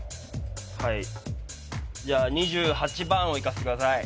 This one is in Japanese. はいじゃ２８番をいかせてください